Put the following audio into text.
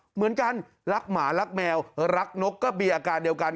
เหมือนกันรักหมารักแมวรักนกก็มีอาการเดียวกัน